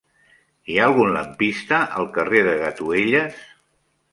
Hi ha algun lampista al carrer de Gatuelles?